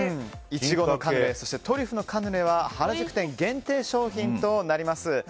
イチゴのカヌレそしてトリュフのカヌレは原宿店限定商品となります。